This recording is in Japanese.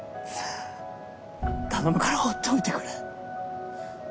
頼むからほっといてくれ。